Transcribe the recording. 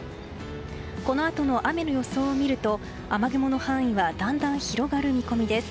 このあとの雨の予想を見ると雨雲の範囲はだんだん広がる見込みです。